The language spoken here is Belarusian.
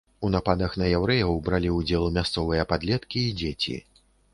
У нападах на яўрэяў бралі ўдзел мясцовыя падлеткі і дзеці.